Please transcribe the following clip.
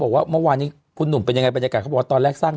บอกว่าเมื่อวานนี้คุณหนุ่มเป็นยังไงบรรยากาศเขาบอกว่าตอนแรกสร้าง